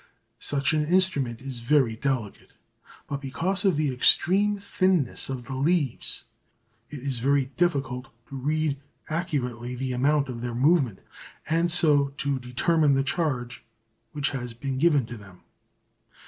Such an instrument is very delicate, but because of the extreme thinness of the leaves it is very difficult to read accurately the amount of their movement and so to determine the charge which has been given to them.